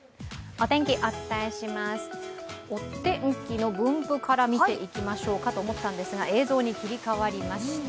お天気の分布から見ていきましょうかと思ったんですが映像に切り替わりました。